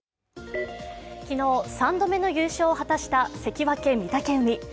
昨日、３度目の優勝を果たした関脇・御嶽海。